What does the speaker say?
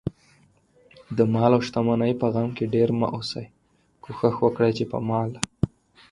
دمال اوشتمنۍ په غم کې ډېر مه اوسئ، کوښښ وکړئ، چې په مال